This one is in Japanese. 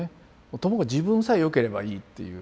ともかく自分さえよければいいっていう。